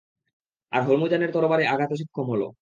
আর হরমুজানের তরবারী আঘাতে সক্ষম হল।